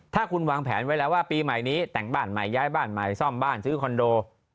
ถ้าคุณวางแผนไว้แล้วว่าปีใหม่นี้แต่งบ้านใหม่ย้ายบ้านใหม่ซ่อมบ้านซื้อคอนโด